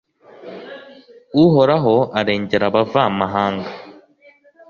uhoraho arengera abavamahanga